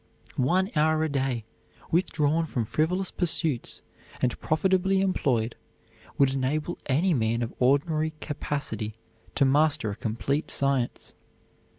One hour a day withdrawn from frivolous pursuits and profitably employed would enable any man of ordinary capacity to master a complete science.